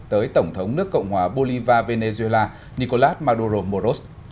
tới tổng thống nước cộng hòa bolivar venezuela nicolás maduro moros